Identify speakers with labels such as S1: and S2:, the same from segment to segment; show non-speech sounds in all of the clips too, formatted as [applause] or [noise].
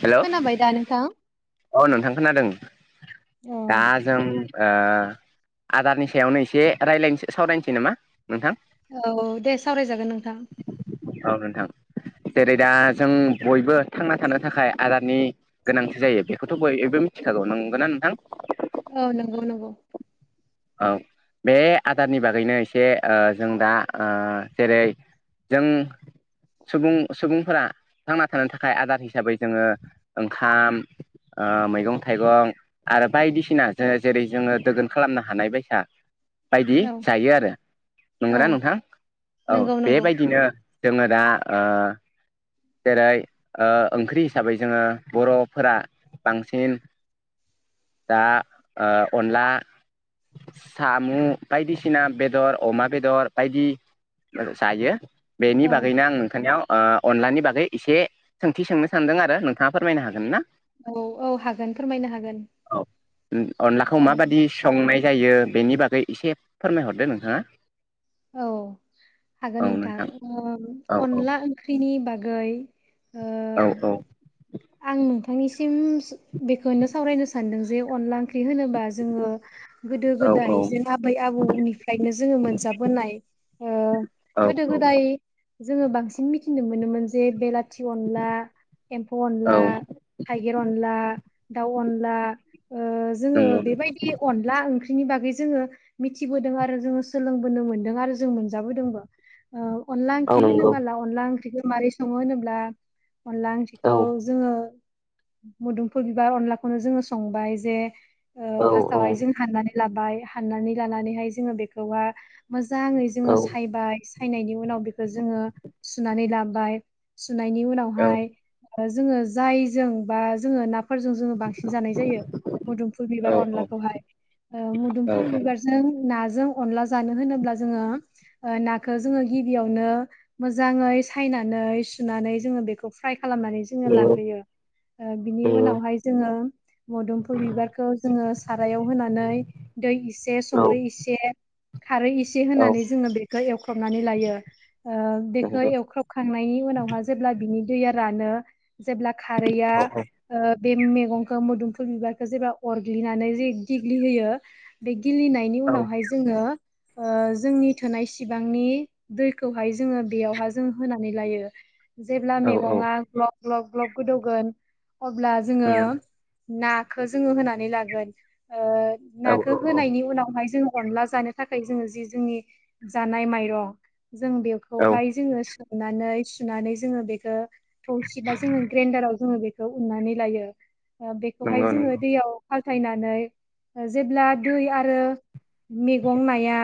S1: Hello
S2: खोनाबाय दानोथां
S1: औ नोंथां खोनादों दा जों ओ आदारनि सायावनो एसे राय्लायनोसै सावरायनोसै नामा? नोंथां
S2: औ दे सावरायजागोन नोंथां।
S1: औ नोंथां जेरै दा जों बयबो थांना थानो थाखाय आदारनि गोनांथि जायो। खथ' बय एबो मिथिखागौ नंगौना नोंथां
S2: औ नंगौ नंगौ
S1: ओं बे आदारनि बागैनो एसे ओ जों दा ओ जेरै जों सुबुं सुबुंफोरा थांना थानो थाखाय आदार हिसाबै जोङो ओंखाम मैगं थाइगं आरो बायदिसिना जोङो जेरै जोङो दोगोन खालामनो हानाय बायसा बायदि
S2: औ
S1: जायो आरो
S2: औ
S1: नंगोना नोंथां औ
S2: नंगौ नंगौ
S1: बेबायदिनो जोङो दा जेरै ओंख्रि हिसाबै जोङो बर'फोरा बांसिन दा अनला साम' बायदिसिना बेदर अमा बेदर बायदि [unintelligible] जायो बेनि
S2: औ
S1: बागैनो आं नोंथांनिवाव अनलानि बाग यै एसे सोंथि सोंनो सानदों आरो नोंथांङा फोरमायनो हागोन ना?
S2: औ औ हागोन फोरमायनो हागोन
S1: औ ओन अनलाखौ माबादि संनाय जायो बेनि बागै एसे फोरमायहरदो नोंथांङा
S2: औ हागोन नोंथां
S1: औ औ
S2: अनला ओंख्रिनि बागै
S1: औ
S2: ओ
S1: औ
S2: आं नोंथांनिसिम बेखौनो सावरायनो सानदों जे अनला ओं ख्रि होनोबा जोंङो गोदो
S1: औ
S2: गोदाय जों आबै आबौ निफ्रायनो जोंङो मोनजाबोनाय ओ
S1: औ
S2: गोदो गोदाय जोंङो बांसिन मिथिनो मोनोमोन जे बेलाथि अनला एम्फौ
S1: औ
S2: अनला थाइगेर अनला दाउ अनला ओ जोंङो
S1: नंगौ
S2: बेबायदि अनला ओंख्रिनि बागै जोंङो मिथिबोदों आरो जोंङो सोलोंबोनो मोनदों आरो जों मोनजाबोदोंबो ओ अनला
S1: औ
S2: ओंख्रि
S1: नंगौ
S2: होनोबोला अनला ओंख्रिखौ माबोरै संङो होनोब्ला अनला ओंख्रि खौ खौ
S1: औ
S2: जोंङो मोदोमफु बिबार अनलाखौनो जोंङो संबाय जे
S1: औ
S2: फार्स्टाव हाय जों हाननानै लाबाय हाननानै लानानैहाय जोंङो बेखौहा मोजांङै
S1: औ
S2: जोंङो सायबाय सायनायनि उनाव बेखौ जोंङो सुनानै लाबाय सुनायनि उनावहाय ओ जोंङो जायजों बा जोंङो फोरजों जोंङो बांसिन जानाय जायो मोदुमफुल
S1: औ
S2: बिबार अनला खौहाय ओ मोदुमफुल बिबारजों नाजों अनला जानो होनोब्ला जोंङो ओ नाखौ जोंङो गिबियावनो मोजांङै सायनानै सुनानै जोंङो बेखौ फ्राय खालामनानै जोंङो लाग्रोयो। ओ बिनि उनावहाय जोंङो मोदोमफुल बिबारखौ जोंङो सारायाव होनानै दै इसे संख्रि इसे खारै एसे होनानै जोंङो बेखौ एवख्रबनानै लायो। ओ बेखौ एवख्रबखांनायनि उनावहा जेब्ला बिनि दैया रानो जेब्ला खारैया ओ बे मैगंखौ मोदोमफुल बिबारखौ जेब्ला अरग्लिनानै जे गेग्लिहोयो बे गिलिनायनि उनावहाय जोंङो ओ जोंनि थोनाय सिबांनि दैखौहाय जोंङो बेयावहा जों होनानै लायो। जेब्ला मैगंङा ग्लब-ग्लब-ग्लब गोदौगोन अब्ला जोंङो ना खो जोंङो होनानै लागोन नाखो होनायनि उनावहाय जोंङो अनला जानो थाखाय जोंङो जि जोंनि जानाय माइरं जों
S1: औ
S2: बेखौहाय जोंङो नानै सुनानै जोंङो बेखो थौसिबा जोंङो ग्रेन्दाराव जोंङो बेखौ उन्नानै लायो। ओ बेखौहाय
S1: नंगौ
S2: जोंङो
S1: नंगौ
S2: दैयाव फालथायनानै जेब्ला दै आरो - मेगं नाया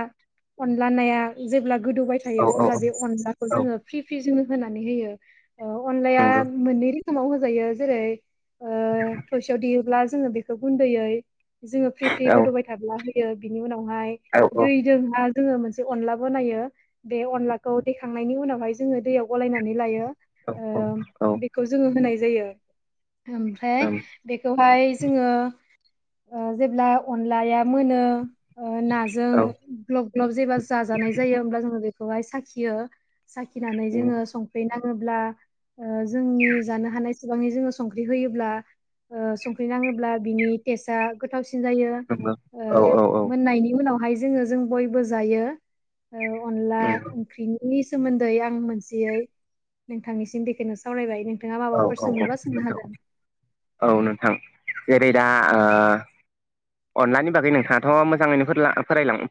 S2: अनला नाया जेब्ला गोदौबाय थायो
S1: औ औ नंगौ औ नंगौ औ नंगौ औ नंगौ औ नंगौ औ
S2: अब्ला बे अनलाखौ जोंङो फ्रि-फ्रि जोंङो होनानै होयो। ओ अनलाया मोननै रोखोमाव होजायो जेरै ओ थसेयाव देयोब्ला जों बेखौ गुन्दैयै जोंङो फ्रि-फ्रि
S1: नंगौ
S2: गोदौबाय थाब्ला होयो बिनि उनाव खौहाय दैदोंहा जोंङो मोनसे अनला बनायो बे अनलाखौ दैखांनायनि उनावहाय जोंङो दैयाव गलायनानै लायो। ओ बेखौ जोंङो होनाय जायो। ओमफ्राय बेखौहाय जोंङो ओ जेब्ला अनलाया मोनो ओ नाजों ग्लब-ग्लब जेबा जाजानाय जायो होमब्ला जोंङो बेखौहाय साखियो। साखिनानै जोंङो संख्रै नांङोब्ला ओ जोंनि जानो हानाय सेबांनि जोंङो संख्रि होयोब्ला ओ संख्रि नांङोब्ला बिनि टेस्टआ गोथावसिन जायो ओ मोननायनि उनावहाय जोंङो जों बयबो जायो। अनला ओंख्रिनि सोमोन्दै आं मोनसेयै नोंथांनिसिम बेेखौनो सावरायबाय नो
S1: औ औ औ नोंथां औ नोंथां जेरै दा आ अनलानि बागै नोंथाङाथ' मोजाङैनो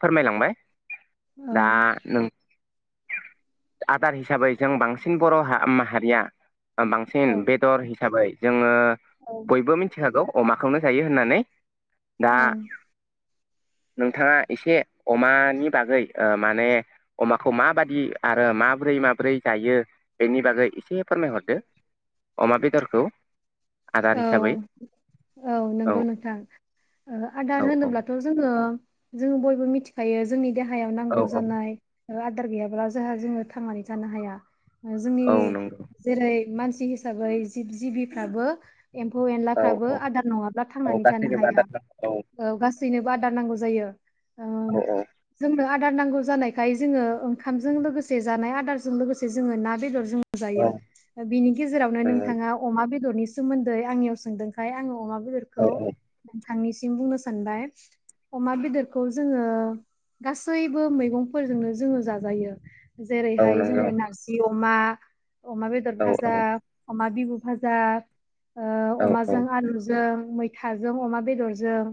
S1: फोरमायलांबाय
S2: औ
S1: दा नों आदार हिसाबै जों बांसिन बर' माहारिया बांसिन
S2: औ
S1: बेदर हिसाबै जोङो बयबो मिथिखागौ अमाखौनो जायो होननानै दा
S2: औ
S1: [inaudible] नोंथाङा एसे अमानि बागै माने अमाखौ माबादि आरो माबोरै माब्रै जायो बेनि बागै एसे फोरमायहरदो अमा बेदरखौ आदार हिसाबै
S2: औ औ नंगौ नोंथां
S1: औ
S2: आदार
S1: औ
S2: होनोब्लाथ' जोङो जोङो बयबो मिथिखायो जोंनि देहायाव
S1: औ
S2: नांगौ
S1: औ
S2: जानाय आदार गैयाब्ला जोंहा जोङो थांनानै थानो हाया जोंनि
S1: औ नंगौ
S2: जेरै मानसि हिसाबै जिब जिबिफ्राबो एम्फौ
S1: औ
S2: एनलाफ्राबो
S1: औ
S2: आदार नङाब्ला
S1: औ
S2: थांनानै थानो
S1: गासैनोबो
S2: हाया
S1: आदार नांगौ
S2: औ गासैनोबो आदार नांगौ जायो
S1: औ
S2: जोंनो आदार नांगौ जानायखाय जोङो ओंखामजों लोगोसे जानाय आदारजों लोगोसे जोङो ना बेदरजों
S1: औ
S2: जायो बिनि गेजेरावनो
S1: नंगौ
S2: नोंथाङा अमा बेदरनि सोमोन्दै आंनियाव सोंदोंखाय आङो अमा बेदरखौ
S1: औ
S2: नोंथांनिसिम बुंनो सानबाय अमा बेदरखौ जोङो गासैबो मैगंफोरजोंनो जोङो जाजायो
S1: औ
S2: जेरैहाय
S1: नंगौ
S2: जोङो नारजि अमा अमा बेदर
S1: औ
S2: भाजा अमा बिहु भाजा
S1: औ
S2: अमाजों आलुजों मैथाजों अमा बेदरजों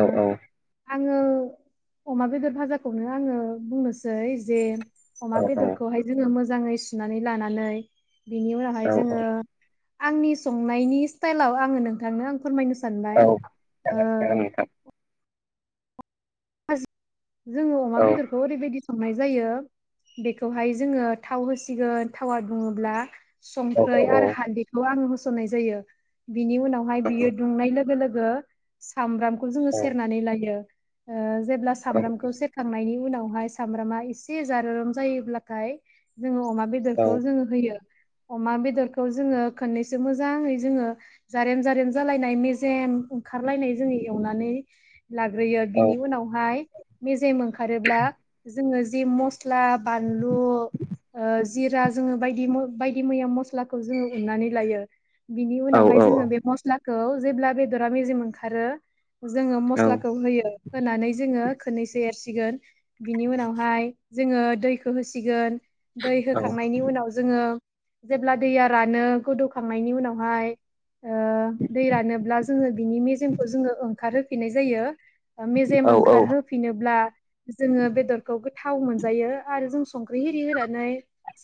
S1: औ औ
S2: आङो अमा बेदर भाजाखौनो आङो बुंनोसै जे अमा
S1: औ औ
S2: बेदरखौहाय जोङो मोजाङै सुनानै लानानै बिनि उनावहाय
S1: औ औ
S2: जोङो आंनि संनायनि स्टाइलाव आङो नोंथांनो आं फोरमायनो
S1: औ
S2: सानबाय ओ
S1: जागोन नोंथां
S2: जोङो अमा
S1: औ
S2: बेदरखौ ओरैबायदि संनाय जायो बेखौहाय जोङो थाव होसिगोन थावा बुङोब्ला
S1: औ
S2: संख्रि
S1: औ
S2: आरो हालदैखौ आङो होसननाय जायो बिनि उनावहाय बियो
S1: नंगौ
S2: दुंनाय लोगो लोगो सामब्रामखौ जों
S1: औ
S2: सेरनानै लायो सामब्रामखौ सेरखांनायनि उनावहाय सामब्रामा एसे जारो रोम जायोब्लाथाय जोङो अमा- बेदरखौ जोङो होयो। अमा बेदरखौ जोङो खननैसो मोजाङै जोङो जारेम जारेम जालायनाय मेजेम ओंखारलायनाय जोङो एवनानै लाग्रोयो
S1: औ
S2: बिनि उनावहाय मेजेम ओंखारोब्ला जोङो जे मस्ला बानलु ओ जिरा जोङो बायदि बायदि मैया मस्लाखौ जोङो उननानै लायो बिनि
S1: औ
S2: उनावहाय जोङो बे मस्लाखौ जेब्ला बेदरा मेजेम ओंखारो जोङो मस्लाखौ होयो होनानै जोङो खन्नैसो एरसिगोन बिनि उनावहाय जोङो दैखौ होसिगोन दै होखांनायनि उनाव जोङो जेब्ला दैया रानो गोदौखांनायनि उनावहाय ओ दै रानोब्ला जोङो बिनि मेजेमखौ जोङो ओंखारहोफिननाय जायो मेजेम ओंखारहोफिनोब्ला जोङो बेदरखौ थाव मोनजायो आरो जों संख्रि एरि होनानै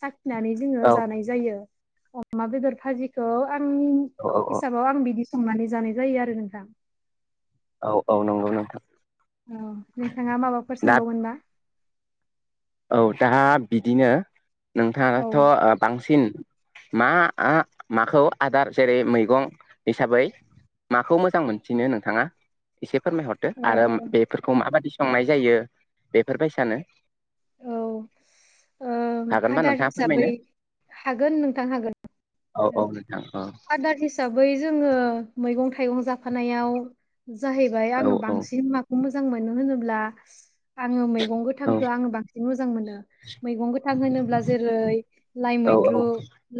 S2: साखिनानै जोङो जानाय जायो अमा बेदर भाजिखौ आंनि हिसाबाव आं बिदि संनानै जानाय जायो आरो नोंथां
S1: औ औ नंगौ नोंथां
S2: औ नोंथाङा माबाफोर
S1: दा
S2: सोंबावगोना?
S1: औ दा बिदिनो
S2: औ
S1: नोंथाङाथ ओ बांसिन मा माखौ आदार जेरै मैगं हिसाबै माखौ मोजां मोनसिनो नोंथाङा एसे? फोरमायहरदो आरो
S2: ओ
S1: बेफोरखौ माबादि संनाय जायो बेफोरबायसानो
S2: औ ओ
S1: हागोनबा
S2: आदार
S1: नोंथाङा
S2: हिसाबै
S1: फोरमायनो
S2: हागोन नोंथां हागोन
S1: औ औ नोंथां औ
S2: आदार हिसाबै जोङो मैगं थाइगं जाफानायाव जाहैबाय
S1: औ
S2: आङो
S1: औ
S2: बांसिन माखौ मोज जां मोनो होनोब्ला आङो मैं
S1: औ
S2: गोथांखौ आं बांसिन मोज जां मोनो मैगं गोथां होनोब्ला जेरै लाइ
S1: औ औ
S2: मैद्रु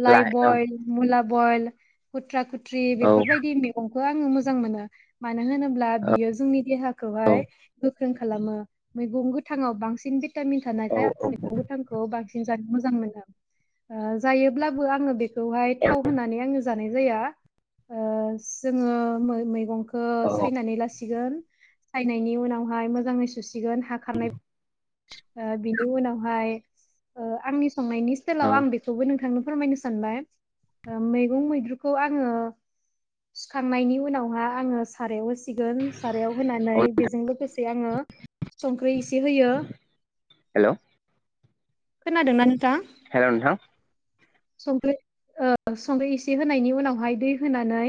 S2: लाइ बयल मुल मुला बयल खुथ्रा खुथ्रि
S1: औ
S2: बेफोरबायदि मेगं खौ आङो मोजां मोनो मानो होनोब्ला बियो जोंनि
S1: औ
S2: देहाखौहाय गोख्रों खालामो मैगं गोथाङाव बांसिन भिटामिन
S1: औ
S2: थानायखाय आं मैगं गोथांखौ बांसिन जानो मोजां मोनो ओ जायोब्लाबो आङो बेखौहाय थाव होनानै आंङो जानाय जाया ओ जोङो मैगंखौ
S1: औ
S2: सायनानै लासिगोन सायनायनि उनावहाय मोजाङै सुसिगोन हा खारनाय ओ बिनि उनावहाय आंनि संनायनि
S1: औ
S2: स्टेयलाव आं बेखौबो नोंथांनो फोरमायनो सानबाय मैगं मैद्रुखौ आङो सुखांनायनि उनावहा आङो सारायाव होसि सिगोन सारायाव होनानै
S1: औ
S2: बेजों लोगोसे आङो संख्रि एसे होयो
S1: हेलौ
S2: खोनादों ना नोंथां?
S1: हेलौ नोंथां
S2: संख्रि ओ संख्रि इसे होनायनि उनावहाय दै होनानै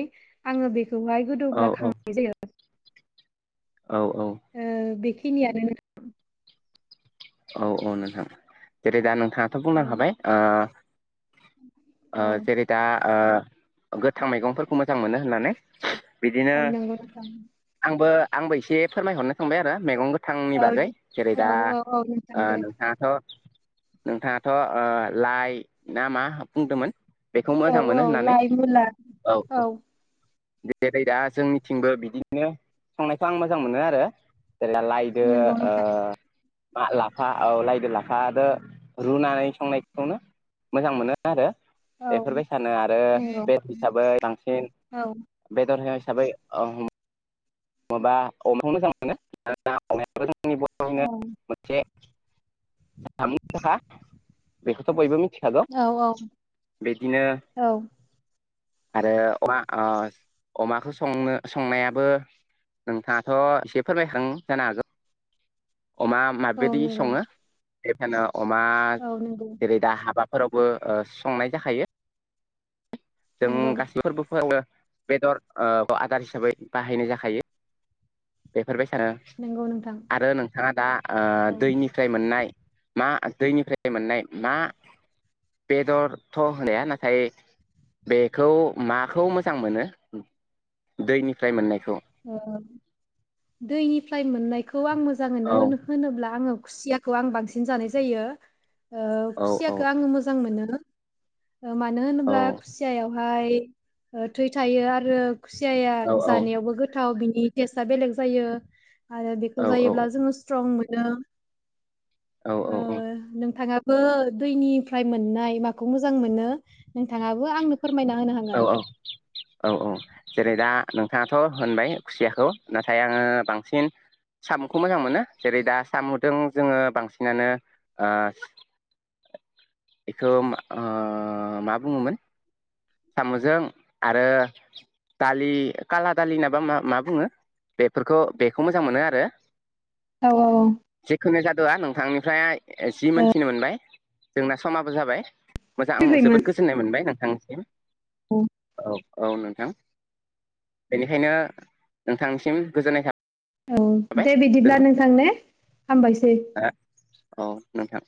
S2: आङो बेख खौहाय
S1: औ
S2: गोदौब्ला
S1: औ
S2: खांनाय जायो
S1: औ औ
S2: बेखिनिआनो
S1: औ औ नोंथां जेरै दा नों नोंथाङाथ बुंलां खाबाय
S2: औ
S1: आ आ
S2: औ
S1: जेरै दा आ गोथां मैगंफोरखौ मोजां मोनो होननानै बिदिनो
S2: औ नंगौ नोंथां
S1: आंबो आंबो एसे फोरमायहरनो थांबाय आरो मैगं गोथांनि
S2: औ
S1: बागै
S2: दे-
S1: जेरै
S2: औ
S1: दा
S2: औ औ नोंथां
S1: आ
S2: दे
S1: नोंथाङाथ नोंथाङाथ आ लाइ ना मा बुंदोंमोन? बेखौ
S2: औ
S1: मोजां मोनो
S2: औ
S1: होननानै
S2: लाइ मुला
S1: औ औ जेरै दा जोंनिथिंबो बिदिनो संनायखौ आं मोजां मोनो आरो जेला लायदो
S2: नंगौ
S1: ओ
S2: नोंथां
S1: मा लाफा औ लाइदो लाफादो रुनाय संनायखौनो मोजां मोनो आरो
S2: औ
S1: बेफोर बायसानो आरो
S2: नंगौ
S1: बे हिसाबै बांसिन
S2: औ
S1: बेदर होनो हिसाबै अहम माबा अमाखौ मोजां मोनो [unintelligible]
S2: औ
S1: [unintelligible] बेखौथ बयबो मि थिखागौ
S2: औ औ
S1: बिदिनो
S2: औ
S1: आरो अमा ओ अमाखौ संनो संनायाबो नोंथाङाथ एसे फोरमायखां जानो हागौ अमा
S2: औ
S1: माबायदि
S2: नंगौ
S1: सङो बेफोरनो अमा
S2: औ नंगौ
S1: जेरै दा हाबाफोरावबो ओ संनाय जाखायो जों
S2: नंगौ
S1: गासैबो फो‌रबोफोरावबो बेदर ओ आदार हिसाबै बाहायनाय जाखायो बेफोर बायसानो
S2: नंगौ नोंथां
S1: आरो नोंथाङा दा ओ
S2: औ
S1: दैनिफ्राय मोननाय मा दैनिफ्राय मोननाय मा बेदरथ होनाया नाथाय बेखौ माखौ मोजां मोनो दैनिफ्राय मोननायखौ
S2: ओ दैनिफ्राय मोननायखौ आं मोजाङैनो
S1: औ
S2: होनो होनोब्ला आङो खुसियाखौ आं बांसिन जानाय जायो ओ
S1: औ औ
S2: खुसियाखौ आङो मोजां मोनो। ओ मानो
S1: औ
S2: होनोब्ला खुसियायावहाय ओ थै थायो आरो खुसियाया
S1: औ औ
S2: जानायावबो गोथाव बिनि टेस्टआ बेलेग जायो। आरो
S1: औ
S2: बेखौ जायोब्ला जोङो स्ट्रं मोनो
S1: औ
S2: ओ नोंथाङा बो दैनिफ्राय मोननाय माखौ मोजां मोनो? नोंथाङाबो आंनो फोरमायना होनो
S1: औ
S2: हागोन
S1: औ औ औ जेरै- दा नोंथाङाथ' होनबाय खुसियाखौ नाथाय आङो बांसिन साम'खौ मोजां मोनो जेरै- दा साम'जों जोङो बांसिनानो ओ [inaudible] बेखौ मा ओ मा बुङोमोन साम'जों आरो दालि खाला दालि नाबा मा बुङो बेफोरखौ बेखौ मोजां मोनो आरो
S2: औ औ औ
S1: दा नोंथांनिफ्राय जि मोनथिनो मोनबाय जोंना समाबो जाबाय मोजां आं जोबोद
S2: फैबायमोन
S1: गोजोननाय मोनबाय नोंथांनिसिम औ औ नोंथां बेनिखायनो नोंथांसिम गोजोननाय थाब
S2: औ दे बिदिब्ला नोंथां ने। हामबायसै।
S1: हा औ नोंथां